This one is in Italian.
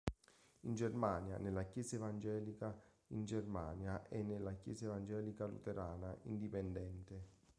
In Germania nella Chiesa evangelica in Germania e nella Chiesa evangelico-luterana indipendente.